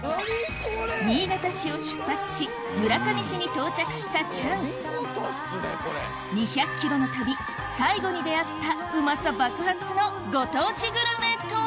新潟市を出発し村上市に到着したチャン２００ｋｍの旅最後に出会ったのご当地グルメとは？